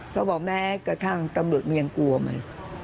เค้าบอกแม้กระทั่งตำรวจเมียงกัวมัน